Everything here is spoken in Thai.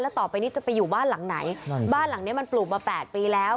ต่อไปนี้จะไปอยู่บ้านหลังไหนบ้านหลังนี้มันปลูกมา๘ปีแล้ว